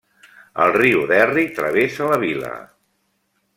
El riu Derry travessa la vila.